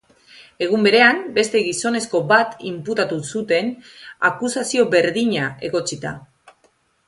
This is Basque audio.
Egun berean, beste gizonezko bat inputatu zuten, akusazio berdina egotzita.